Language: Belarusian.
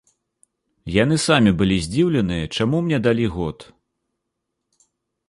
Яны самі былі здзіўленыя, чаму мне далі год.